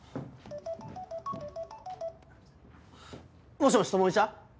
もしもし朋美ちゃん